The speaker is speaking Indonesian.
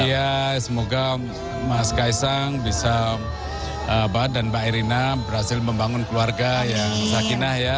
ya semoga mas kaisang bisa dan mbak erina berhasil membangun keluarga yang sakinah ya